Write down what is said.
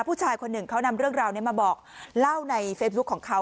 ผู้ชายคนหนึ่งเขานำเรื่องราวนี้มาบอกเล่าในเฟซบุ๊คของเขา